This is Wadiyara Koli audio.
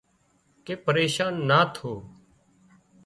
ڪي پريشان نا ٿو